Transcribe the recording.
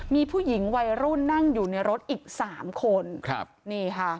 มีผู้หญิงวัยรุ่นนั่งอยู่ในรถอีก๓คน